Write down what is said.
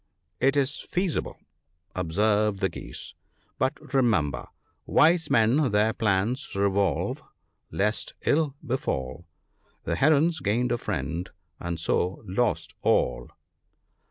" It is feasible," observed the Geese, " but remember, " Wise men their plans revolve, lest ill befall ; The Herons gained a friend, and so, lost all."